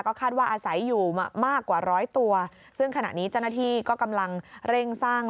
คาดว่าอาศัยอยู่มากกว่าร้อยตัวซึ่งขณะนี้เจ้าหน้าที่ก็กำลังเร่งสร้าง